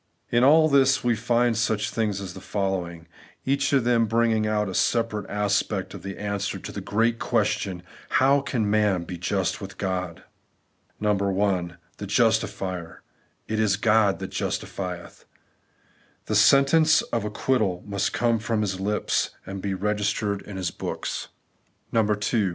In all this we find such things as the following ; each of them bringing out a separate aspect of the answer to the great question, ' How can man be just with God ?' 1. TheJustifier;— 'ItisGodthatjustifietk' The sentence of acquittal must come from His lips, and be registered in His books. BigJUeoumess for the Unrighteous, 79 • 2.